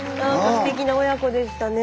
ステキな親子でしたね。